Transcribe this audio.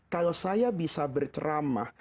kalau saya bisa berceramah